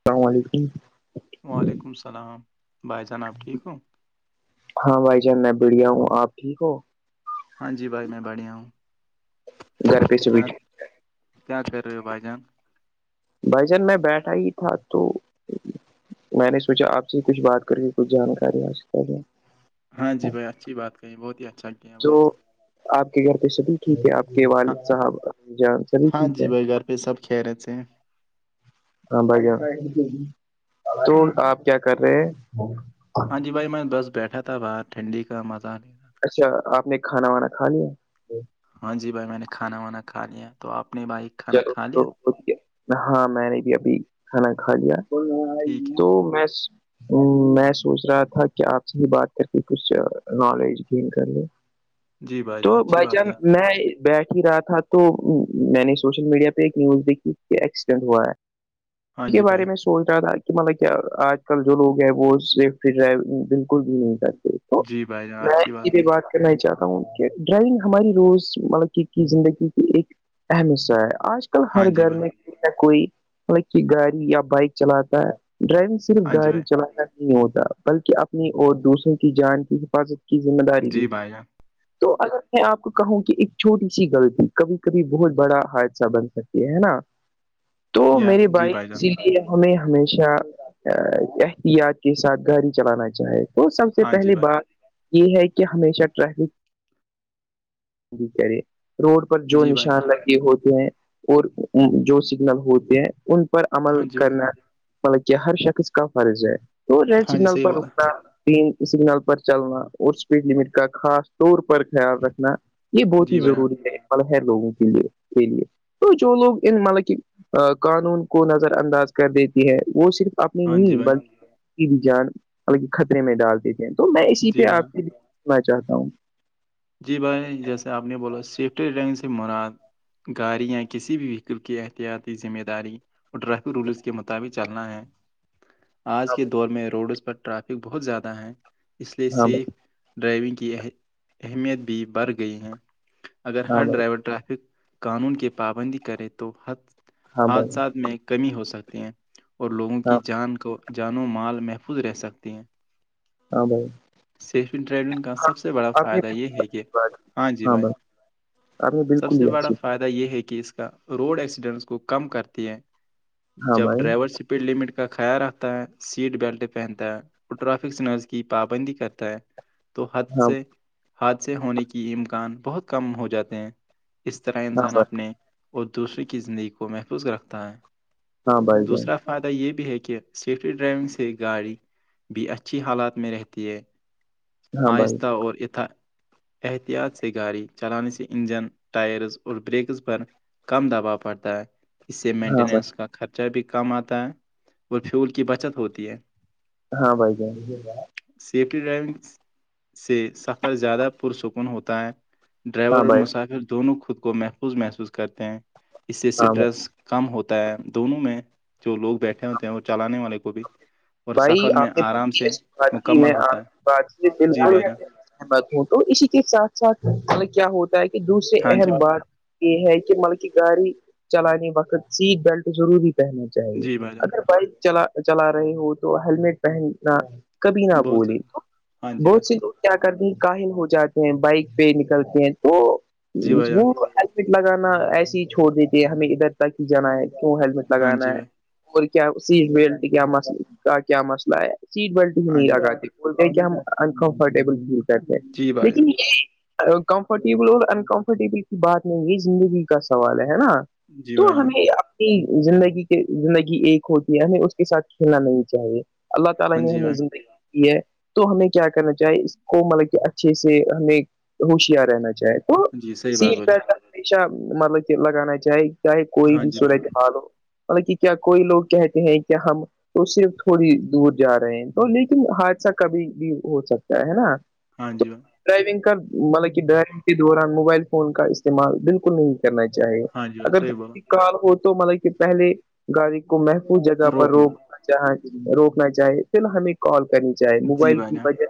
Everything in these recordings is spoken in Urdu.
اسلام علیکم وعلیکم السلام بھائی جان اپ ٹھیک ہو ہاں بھائی جان میں بڑھیا ہوں آپ ٹھیک ہو ہاں جی بھائی میں باڑیا ہوں گھر پہ سے کیا بیٹھ کیا کرے ہو بھای جان بھای جان میں بیٹھا ہی تھا تو میں نے سوچا آپ سے کچھ بات کر کے کچھ جانکاری حاصل کر لو ہاں جی بھائی اچھی بات کہی بہت ہی اچھا کیا ہے تو بھائی جان آپ کے گھر پہ سبھی ٹھیک ہے آپ کے ہاں والد صاحب جان سبھی ٹھیک ہے یہ سب خیرت سے ہیں ہاں بھائی تو آپ کیا کر رہے ہاں جی بھائی میں بس بیٹھا تھا باہر ٹھنڈی کا مزہ نہیں اچھا آپ نے کھانا وانا کھا لیا ہاں جی بھائی میں نے کھانا وانا کھا لیا تو آپ نے بھائی کھانا چلو کھا تو لیا ہاں میں نے بھی ابھی کھانا کھا لیا ٹھیک ہے تو میں میں سوچھ رہا تھا کہ آپ سے ہی بات کر کے کچھ نالج گین کر لیں جی تو جان اچھی بھائی بات جان ہے میں بیٹھ ہی رہا تھا تو میں نے سوشل میڈیا پہ ایک نیوز دیکھی ایکسیڈینٹ ہوا ہے ہاں اس کے جی بھائی بارے میں سوچھ رہا تھا کہ مطلب کیا آج کل جو لوگ ہیں وہ سیفٹی ڈرائیونگ بالکل بھی نہیں کرتے تو جی بھائی جان میں اچھی کی بھی کہی بات کرنا چاہتا ہوں کہ ڈرائنگ ہماری روز مطلب زندگی کی ایک اہمص آج کل ہاں ہر جی گھر بھائی میں کوئی مطلب کہ گاڑی یا بائک چلاتا ہے ڈرائیونگ صرف ہاں جی گاڑی بھائی چلاتا ہے نہیں ہوتا بلکہ اپنی اور دوسروں کی جان کی حفاظت کی ذمہ داری بھی جی بھائی جان تو اگر میں آپ کو کہوں کہ ایک چھوٹی سی غلطی کبھی کبھی بہت بڑا حثہ بن سکتی ہے نا تو یا میری جی بھائی جان بائک یہ ہمیں ہمیشہ احتیاط کے ساتھ گاڑی چلانا چاہے وہ سب سے ہاں جی پہلی بات بھائی یہ ہے کہ ہمیشہ ٹریفکے روڈ جو جی بھائی نشان جان لگی ہوتے ہیں اور جو سگنل ہوتے ہیں ان پر عمل ہاں جی بھائی کرنا مطلب کہ ہر شخص کا فرض ہے تو جو ہاں جی سگنل صحیح پر بولا رکنا تین سگنل پر چلنا اور اسپیڈ لمٹ کا خاص طور پر خیال رکھنا یہ بہت ہی جی بھائی ضروری ہے مطلب ہےہر لوگوں کے لیے یہ لیے تو جو لوگ ان مطلب کہ قانون کو نظر انداز کر دیتی ہے وہ صرف اپنی ہاں جی نہیں بھائی بل کی بھی جان بکہ خطرے میں ڈالتے تھے تو میں اسی جی پہ بھائی آپ کے لیےنا چاہتا ہوں جی بھائی جیسے آپ نے بولا سیفٹی ٹک سے مراد گاڑی یا کسی بھی وہیکل کی احتیاطی ذمہ داری اور ٹریفک رولس کے مطابق چلنا ہے [inaudible] آج کے دور میں روڈز پر ٹرافک بہت زیادہ ہیں اس لیے ہاں سیف ڈرائیونگ کی اہمیت بھی بڑھ گئی ہے اگر ہر بھائی ڈرائیور ٹریافک قانون کی پابندی کریں تو ہاں بھائی حادثات میں کمی ہو سکتی ہیں اور لوگوں ہاں بھائی ہاں کی جان کو جان و مال محفوظ رہ سکتی ہیں ہلو سیفی ٹریولنگ کا سب سے بڑا نے فائدہ یہ ہے کہ ہاں جی بھائی ہمیں سب بالکل ہی سے آچ بڑا فائدہ یہ ہے کہ اس کا روڈ ایکسیڈنٹس کو کم کرتی ہیں ہاں جب بھائی ڈرائیور سی لمٹ کا خیال رکھتا ہے سیٹ بیلٹ پہنتا ہے اور ٹرریفک سنرز کی پابندی کا کرتا ہے تو حد ہاں سے حادثے ہونے کی امکان بہت کم ہو جاتے ہیں اس طرح ہاں انسان بھائی اپنے اور دوسرے کی زندگی کو محفوظ رکھتا ہے ہاں بھائی جان دوسرا فائدہ یہ بھی ہے کہ سیفٹی ڈرائیونگ سے گاڑی بھی اچھی حالات میں رہتی ہے ہاں بھائی آہستہ اور ات احتیاط سے گاڑی چلانے سے انجن ٹائرز اور بریکس پر کم دباؤ پڑتا ہے اس سے ہاں مینٹیننس بھائی کا خرچہ بھی کم آتا ہے اور فیول کی بچت ہوتی ہے ہاں بائی جان سیفٹی ڈرائیونگ سے سفر زیادہ پرسکون ہوتا ہے ہاں ڈرائیور اور بھائی مسافر دونوں خود کو محفوظ محسوظ کرتے ہیں اس سے ہاں بھائی اسٹریس کم ہوتا ہے دونوں میں جو لوگ بیٹھے ہوتے ہیں وہ چلانے والے کو بھی اور بھائی سفر میں آپ نے خود آرام کی سے ایسی بات کی میں مکمل آ ہوتا ہے [inaudible] جی بالکل بھائی جان ہمت ہوں تو اسی کے ساتھ ساتھ کیا ہوتا ہے کہ دوسرے ہاں جی اہم بھائی بات یہ ہے کہ مطلب کہ گاڑی چلانے وقت سیٹ بیلٹ ضروری پہنیں چاہے جی بھائی جان اگر بائک چ چلا رہے ہو تو ہیللمٹ پہننا کبھی نہ بہت بولے ضروری ہاں جی بھائی بہت سی کیا کرتے کاہل ہو جاتے ہیں بائک پہ نکلتے ہیں تو جی بھائی جان وہ ہیلمٹ لگانا ایسے ہی چھوڑ دیتے ہے ہمیں ادھر تک ہی جانا ہے کیوں ہیلمٹ ہاں لگانا جی ہے بھائی اور کیا سیٹ بیلٹ کیا مس کا کیا مسئلہ ہے سیٹ بیلٹ بھی ہاں نہیں جی بھائی لگات د بولتے کہ ہم انکمفرٹیبل فیل کرتے جی بھائی لیکن جان کمفرٹیبل اور ان کمفرٹیبل کی بات نہیں ہے زندگی کا سوال ہے ہے نا جی تو بھائی جان ہمیں اپنی زندگی کے زندگی ایک ہوتی ہے ہمیں اس کے ساتھ کھیلنا نہیں اللہ تعالی ہاں نے جی ہمیں بھائی زندگی یہ تو ہمیں کیا کرنا چاہیے اس کو مطلب کہ اچھے سے ہمیں ہوشیار رہنا چاہیں تھ وہ جی صحیح بات سیٹ بولی بی ہمیشہ مطلب کہ لگانا چاہے چاہے کوئی ہاں بھی جی بھائی سورجحال ہو مطلب کہ کیا کوئی لوگ کہتے ہیں کیا ہم تو صرف تھوڑی دور جا رہے ہیں تو لیکن حادثہ کبھی بھی ہو سکتا ہے نا ہاں جی باں ڈرائیونگ کا مطلب کہ ڈرائیونگ کے دوران موبائل فون کا استعمال بالکل نہیں کرنا چاہیے ہاں جی بھائی اگر صحیح بولا کال ہو تو مطلب کہ پہلے گاڑی کو محفوظ جگہ پر روک لو روکنا چاہ روکنا چاہے پھر ہمیں کال کرنی چاہی جی موبائل بھائی کی جان وجہ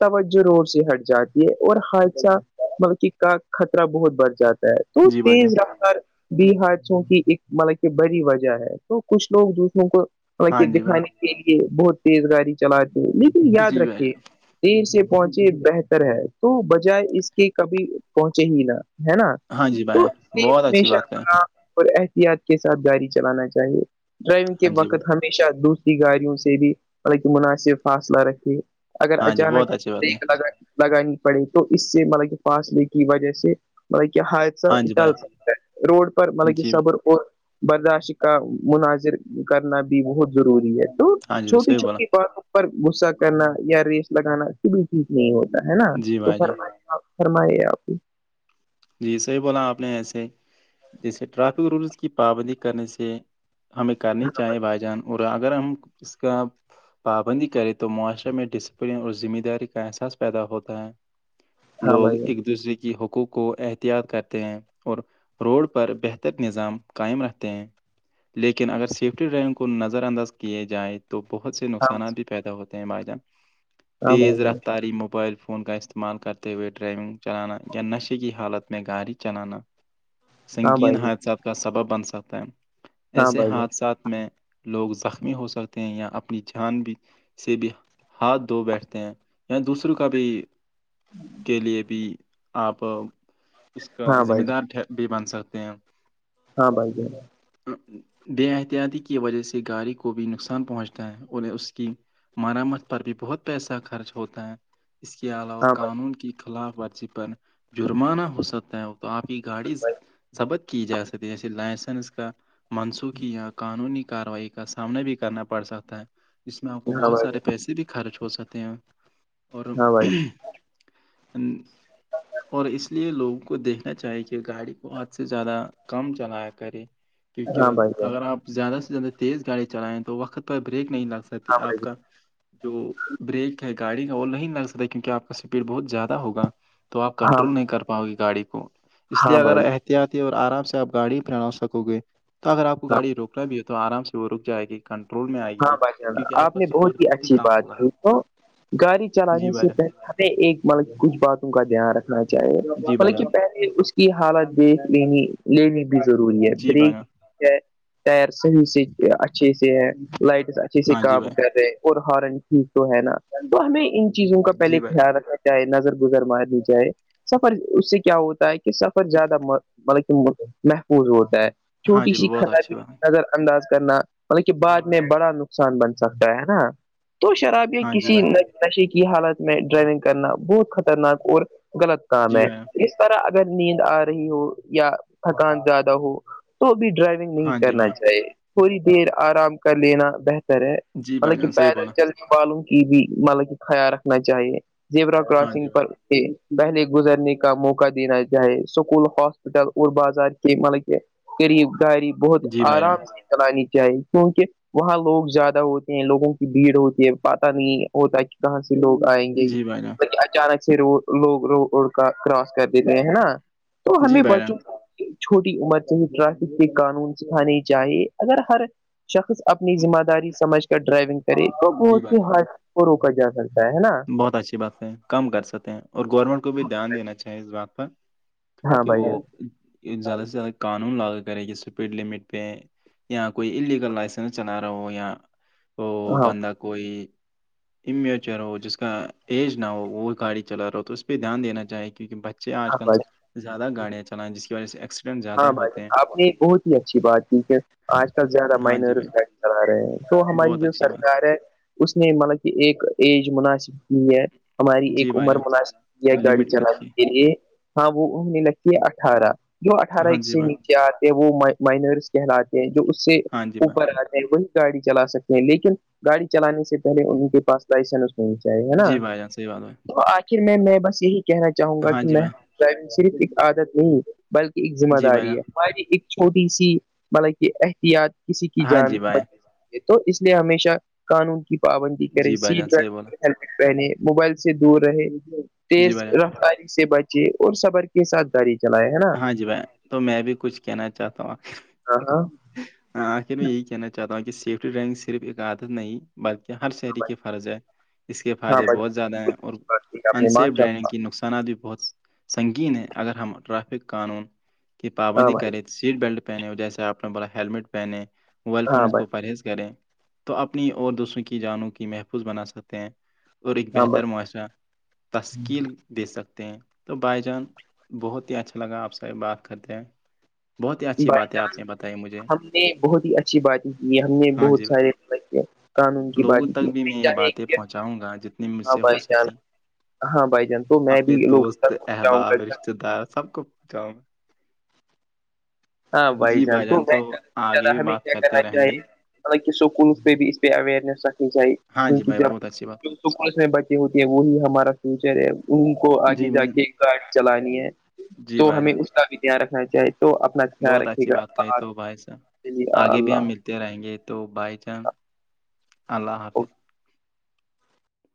توجہ رڑ سے ہٹ جاتی ہے اور حادثہ مط کا خطرہ بہت بڑھ جاتا ہے تو جی بھائی جان تیز بار بھی حادثوں کی ایک مطلب کہ بڑی وجہ ہے تو کچھ لوگ دوسروں کو مطلب ہاں کہ جی بھائی دکھانے کے لیے بہت تیز گاڑی چلاتے ہیں لیکن یاد جی بھائی رکھیے جان دیر سے پہنچے بہتر ہے تو بجائے اس کے کبھی پہنچے ہی نہا ہے نا ہاں جی بائی تو اسے بہت اچھی ہمیشہ بات کہیں آرام اور احتیاط کے ساتھ گاڑی چلانا چاہیے ڈرائیونگ کے ہاں جی بھائی وقت ہمیشہ دوس گاڑیوں سے بھی مطلب کہ مناسب فاصلہ رکھے اگر ہاں جی بہت اچانک اچھی بات کہیں لگا لگانی پڑے تو اس سے مطلب کہ فاصلے کی وجہ سے مطلب کہ حادثہ ہاں جی ڈال بھائی ستا روڈ پر مطلب کہ جی صبر اور برداشت کا مناظر کرنا بھی بہت ضروری ہے تو ہاں جی بھائی، چھوٹی صحیح بولا چھوٹی باتوں پر غصہ کرنا یا ریس لگانا بھی ٹھیک نہیں ہوتا ہے نا جی تو بھائی جان فرمپ فرمائی آپ کو جی صحیح بولا آپ نے ایسے جیسے ٹرافک رولس کی پابندی کرنے سے ہمیں کرنی چاہیے بھائی جان اور اگر ہم اس کا پابندی کرے تو معاشرے میں ڈسپلن اور ذمہ داری کا احساس پیدا ہوتا ہے ہاں لوگ بھائی ایک دوسرے کی حقوق کو احتیاط کرتے ہیں اور روڈ پر بہتر نظام قائم رکھتے ہیں لیکن اگر سیفٹی ڈرائیونگ کو نظر انداز کیے جائے تو بہت سے ہاں نقصانات بھی پیدا ہوتے ہیں بھائی جہان ہاں بھائی تیز جان رفتاری موبائل فون کا استع استعمال کرتے ہوئے ڈرائیونگ چلانا یا نشے کی حالت میں گاڑی چلانا سنگین حادثات کا سبب بن سکتا ہے ہاں ایسے بھائی جان حادثات میں لوگ زخمی ہو سکتے ہیں یا اپنی جان بھی سے بھی ہاتھ دھو بیٹھتے ہیں یا دوسروں کا بھی کے لیے بھی تو اس کا ہاں ذمہ بھائی دار بھی بن سکتے ہیں ہاں بھائی ج بے احتیاطی کی وجہ سے گاڑی کو بھی نقصان پہنچتا ہے اوریں اس کی ہمارا مت پر بھی بہت پیسہ خرچ ہوتا ہے اس کے علاوہ ہاں بھائی قانون کی خلاف ورزی پر جرمانہ ہو سکتا ہے تو آپ کی گاڑی ضبط کی جا سکتی جیسے لائسنس کا منسوخی یا قانونی کاروائی کا سامنا بھی کرنا پڑ سکتا ہے ج میں آپ کو جان ہاں بہت بھائی سارے پیسے بھی خرچ ہو سکتے ہیں اور ہاں بھائی ا اور اس لیے لوگوں کو دیکھنا چاہیے کہ گاڑی کو حد سے زیادہ کم چلایا کرے کیونکہ ہاں بھائی اگر آپ زیادہ سے زیادہ تیز گاڑی چلائیں تو وقت پرہ بریک نہیں لگ س ہاں آپ بھائی کا جو بریک ہے گاڑی کا وہ نہیں لگ سکتا کیونکہ آپ کا اسپیڈ بہت زیادہ ہوگا تو آپ ہاں کنٹرول بھائی نہیں کر پاؤ گی گاڑی کو ہاں اس لیے ہاں اگر بھائی آتی ہے اور آرام سے آپ گاڑی پنا سکو گے تو اگر آپ کو ہاں گاڑی روکنا بھی ہے تو آرام سے وہ رک جائے گی کنٹرول میں آئی ہاں بھائی جانا آپ نے بہت ہی اچھی بات ہوگا کی تو گاڑی جی چلانے بھائی جان سےہلے ایک مطلب کچھ باتوں کا دھیان رکھنا چاہیے جی بھائی مطلب کہ جان پہلے اس کی حالت دیکھ لینی لینی بھی ضروری ہے جی بھائی بریک جان ٹائر صحیح سے اچھے سے ہے لائٹس اچھے سے ہاں جی کام بھائی کر رہے اور ہارن چیز تو ہے نا تو ہمیں ان چیزوں کا پہلے جی بھائی جان خیال رکھنا ہے نظر گزر مارج ہے سفر اس سے کیا ہوتا ہے کہ سفر زیادہ مطلب کہ محفوظ ہوتا ہے ہاں چھوٹی جی س ک بہت کی اچھی بات ہے اگر انداز کرنا مطلب کہ بعد میں بڑا نقصان بن سکتا ہے نا تو شراب ہاں جی کسی بھائی نشے کی حالت میں ڈرائیونگ کرنا بہت خطرناک اور غلط کام جی ہے بھائی اگر نیند آ رہی ہو یا تھکان زیادہ ہو تو بھی ڈرائی نہیں ہاں جی کرنا بھائی چاہیے تھوڑی دیر آرام کر لینا بہتر ہے جی بھائی حطالک جان صحیح پیدل بولا چلتے والوں کی بھی مطلب کی خیال رکھنا چاہیے زیا ہاں کراسنگ جی پر بھائی دہلے گزرنے کا موقع دینا چاہے اسکول ہاسپٹل اور بازار کے ملک قریب گااری بہت جی بھائی جان آرام سے چلانی چاہیے کیونکہ وہاں لوگ زیادہ ہوتے ہیں لوگوں کی بھیڑ ہوتی ہے پاتہ نہیں ہوتا ہے کہ کہاں سے لوگ آئیں گے جی بھائی جان اچانک لوگ کراس کر دیتے ہیں نا تو جی ہمیں بھائی جان بچوں چھوٹی عمر سے ہی ٹریفک کے قانون سکھانے چاہیے اگر ہر شخص اپنی ذمہ داری سمجھ کر ڈرائیونگ کرے تو جی بہت بھائی سے جان حادثے کو روکا جا سکتا ہے نا بہت اچھی بات ہے کم کر سکیں اور گورنمنٹ کو بھی دھیان دینا چاہے اس بات پر ہاں کہ بھائی وہ جان زیادہ سے زیادہ قانون لاگو کرے جیپیڈ لمٹ پہ یا کوئی انلیگل لائسنس چلا رہا ہو یا وہ ہاں بندہ کوئی امیچر ہو جس کا ایج نہ ہو وہ گاڑی چلا رہا ہو تو اس پہ دھیان دینا چاہے کیونک بچے آج ہاں کل بھائی زیادہ گاڑیاںلائیں جس وجہ سےس ہاں بھائی آپ نے بہت ہی اچھی بات کی ہے آج کل زیادہ ہاں جی مائنر بھائی چ رہے ہیں تو ہماری بہت جو اچھی بات سرکار ہے اس نے مطلب کہ ایک ایج مناسب ہے ہماری جی ایک بھائی عمر جان مناسب کی ہے گاڑی لمٹ چلانے رکھیے کے لیے ہاں وہ انہوں نے لگھی ہے اٹھارہ جو اٹھارہ ہاں ایک جی سے بھائی نیچے آتے وہ مائنرس کہلاتے ہیں جو اس سے ہاں جی بھائی اوپر آ وہی گاڑی چلا سکتے ہیں لیکن گاڑی چلانے سے پہلے ان کے پاس لائسنس جائے ہے نا جی بھائی جان صحیح بات بھائی پھر میں میں بس یہی کہنا چاہوں گا ہاں کہ جی میں بھائی ڈرائیونگ صرف ایک عادت نہیں بلکہ ایک ذمہ جی بھائی داری جان ہے ہماری ایک چھوٹی سی مطلب کہ احتیاط کسی کی ہاں جان جی بھائی بچک تو اس لیے ہمیشہ قانون کی پابندی کرے جی بھائی سیٹ جان صحیح بولا بی ہیلمٹ پہنے موبائل سے دور رہے جی تیز بھائی جان رفتاری سے بچے اور صبر کے ساتھ گاڑی چلائے ہے نا ج ب تو میں بھی کچھ کہنا چاہتا ہوں ہاں ہاں ہ آخر میں یہی کہنا چاہتا ہوں کہ سیفٹی رینگ صرف ایک عادت نہیں بلکہ ہر شہری کی فرض ہے اس کے ہاں بھائی ہاں فائدے بھائی بہت زیادہ بالکل ہیں اور اچھی بات کی آپ نے ماں انسییف ڈرائیونگ کے نقصات بھی بہت سنگین ہے اگر ہم ٹریفک قانون کی ہاں پابندی بھائی کریں تو سیٹ بیلٹ پہنے جیسے آپ نے بولا ہیلمٹ پہنے موبائل فون ہاں اس کو بھائی پرہیز کریں تو اپنی اور دوسروں کی جانوں کی محفوظ بنا سکتے ہیں اور ایک ہاں بہتر بھائی معاشرہ تشکیل دے سکتے ہیں تو بائی جان بہت ہی اچھا لگا آپ سے بات کرتے ہیں بہت ہی اچھی بائی باتیں چانس آپ نے بتائی مجھے ہم نے بہت ہی اچھی باتیں کی ہم نے ہاں جی بہت بھائی سارے قانون کی لوگوں باتیں کی تک بھی میں یہ چاہے باتیں کہ پہنچاؤں گا جتنی مجھ ہاں سے ہو بھائی جان سکی ہاں بھائی جان تو میں اپنے بھی لوگوں دوست تک پہنچاؤں احباب گا رشتتے دار سب کو جاؤ میں ہاں بھائی جان بھی ہم بات کیا کرتے کرنا رہیں گے چاہی حالانکہ سکولوں پ بھی ا اس پ اوئنیس رکھنی چاہیے ہاں جی کیونکہ بھائی بہت اچھی بات جب کہی۔ س میں بچی ہوتی ہیں وہی ہمارا فیوچر ہے ان کو آگے جی جا بھائی جان کے گاڑی چلانی ہے جی تو بھائی ہمیں جان اس کا بھی دھیان رکھنا چاہیے تو اپنا خیال بہت رکھیے اچھی گا بات کہے اللہ تو بھائی صا چلیے آگے بھی ہم اللہ ملتے رہیں گے تو بائی چانس اللہ اوکے۔ حافظ